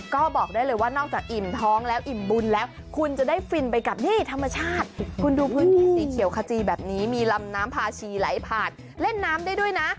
ก็บอกได้เลยว่านอกจากอิ่มท้องแล้วอิ่มบุญแล้วคุณจะได้ฟินไปกับนี่ธรรมชาติคุณดูพื้นที่สีเขียวขจีแบบนี้มีลำน้ำพาชีไหลผ่านเล่นน้ำได้ด้วยนะ